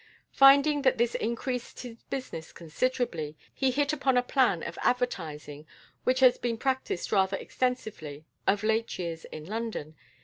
Finding that this increased his business considerably, he hit upon a plan of advertising which has been practised rather extensively of late years in London.